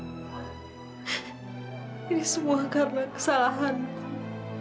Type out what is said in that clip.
ini semua karena kesalahanku